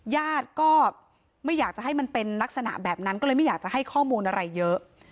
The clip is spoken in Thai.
ญาติก็ไม่อยากจะให้มันเป็นลักษณะแบบนั้นก็เลยไม่อยากจะให้ข้อมูลอะไรเยอะ